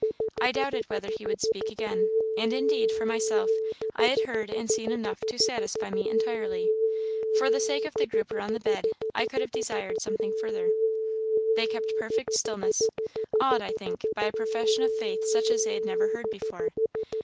I doubted whether he would speak again; and indeed, for myself, I had heard and seen enough to satisfy me entirely; for the sake of the group around the bed, I could have desired something further. They kept perfect stillness; awed, I think, by a profession of faith such as they had never heard before.